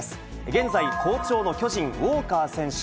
現在、好調の巨人、ウォーカー選手。